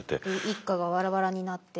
一家がバラバラになって。